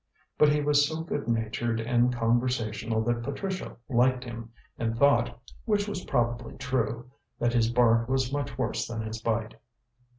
But he was so good natured and conversational that Patricia liked him, and thought which was probably true that his bark was much worse than his bite.